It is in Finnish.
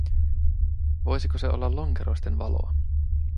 Voisiko se olla lonkeroisten valoa?